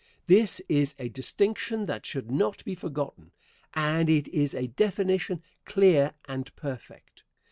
This is a distinction that should not be forgotten, and it is a definition clear and perfect.